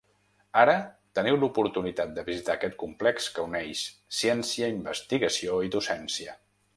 Ara teniu l’oportunitat de visitar aquest complex que uneix ciència, investigació i docència.